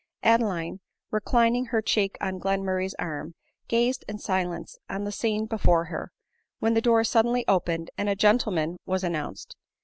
Adeline, reclining her cheek on tJlen murray's arm, gazed in silence on the scene before her ; when the door suddenly opened and a gentleman was an nounced.